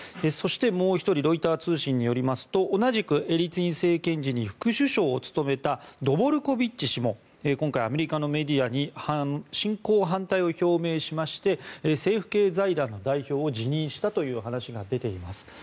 そして、もう１人ロイター通信によりますと同じくエリツィン政権時に副首相を務めたドボルコビッチ氏も今回アメリカのメディアに侵攻反対を表明しまして政府系財団の代表を辞任したという話が出ています。